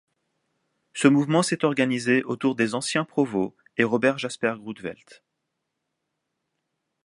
Ce mouvement s'est organisé autour des anciens Provo et Robert Jasper Grootveld.